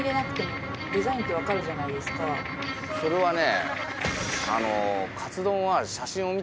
それはね